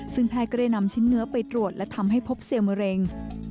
ซึ่งแพทย์ก็ได้นำชิ้นเนื้อไปตรวจและทำให้พบเซลล์มะเร็ง